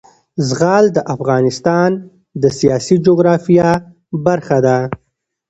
زغال د افغانستان د سیاسي جغرافیه برخه ده.